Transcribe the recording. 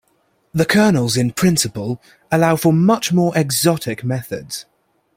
The kernels in principle allow for much more exotic methods.